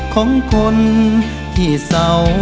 ของคนที่เสา